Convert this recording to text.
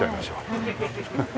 フフフフ。